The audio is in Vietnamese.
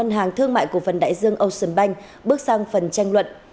phần đại dương ocean bank bước sang phần tranh luận